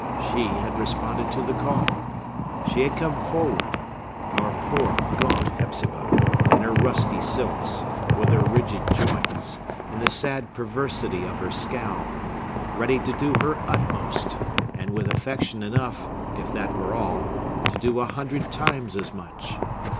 She had responded to the call. She had come forward,—our poor, gaunt Hepzibah, in her rusty silks, with her rigid joints, and the sad perversity of her scowl,—ready to do her utmost; and with affection enough, if that were all, to do a hundred times as much!